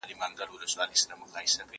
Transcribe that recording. دا انځورونه له هغه ښايسته دي